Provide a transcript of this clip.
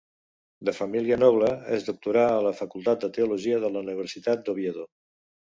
De família noble, es doctorà a la facultat de teologia de la Universitat d'Oviedo.